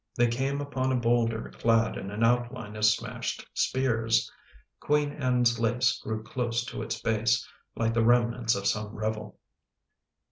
They came upon a boulder clad in an outline of smashed spears. Queen Anne's Lace grew close to its base, like the remnants of some revel.